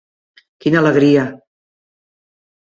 Quina alegria.